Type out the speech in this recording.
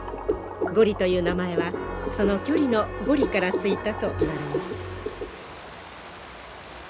ゴリという名前はその距離の「５里」から付いたといわれます。